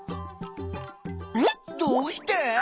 どうして？